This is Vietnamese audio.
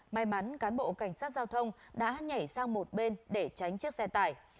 may mắn cán bộ cảnh sát giao thông đã nhảy sang một bên để tránh chiếc xe tải